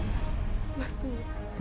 mas mas tunggu